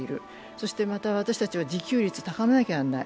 そしてまた私たちは自給率を高めなければいけない。